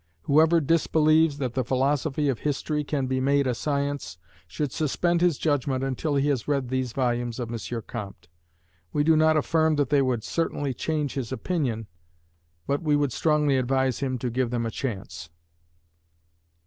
Whoever disbelieves that the philosophy of history can be made a science, should suspend his judgment until he has read these volumes of M. Comte. We do not affirm that they would certainly change his opinion; but we would strongly advise him to give them a chance.